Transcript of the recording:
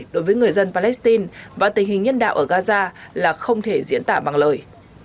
đối với người dân palestine và tình hình nhân đạo ở gaza là không thể diễn tả bằng lời